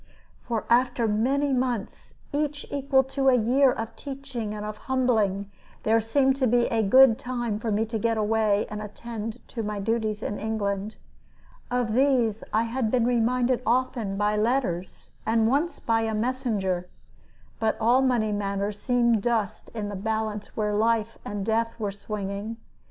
For after many months each equal to a year of teaching and of humbling there seemed to be a good time for me to get away and attend to my duties in England. Of these I had been reminded often by letters, and once by a messenger; but all money matters seemed dust in the balance where life and death were swinging.